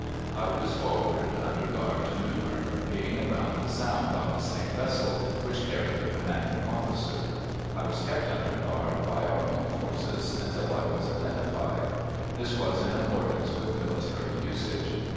I was forwarded under guard to Newbern, going around the Sound on the same vessel which carried the commanding officer. I was kept under guard by our own forces until I was identified. This was in accordance with military usage.